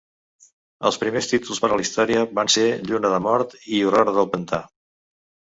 Els primers títols per a la història van ser "Lluna de mort" i "Horror del pantà".